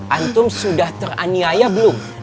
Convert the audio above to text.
antum sudah teraniaya belum